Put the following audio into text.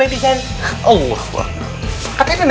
gak ada gak ada